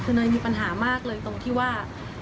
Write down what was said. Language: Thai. คือเนยมีปัญหามากเลยตรงที่ว่า